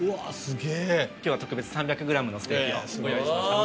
今日は特別３００グラムのステーキをご用意しました